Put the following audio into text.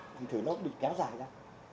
thành thử nó cũng bị kéo dài ra